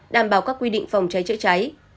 đảm bảo các quy định phòng cháy chữa cháy